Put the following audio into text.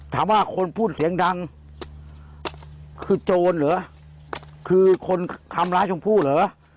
ถามว่าคนพูดเสียงดังคือโจรเหรอคือคนทำร้ายชมพู่เหรอ